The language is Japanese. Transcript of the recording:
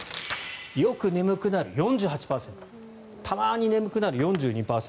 よく眠くなる、４８％たまに眠くなる、４２％